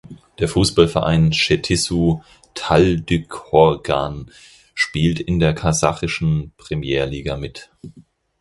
Der Fußballverein Schetissu Taldyqorghan spielt in der kasachischen Premjer-Liga mit.